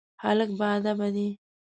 هلک باادبه دی.